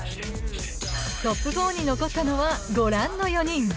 トップ４に残ったのはご覧の４人。